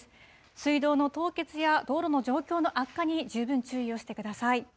水道の凍結や道路の状況の悪化に十分注意をしてください。